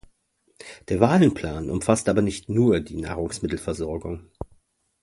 Der Wahlen-Plan umfasste aber nicht nur die Nahrungsmittel-Versorgung.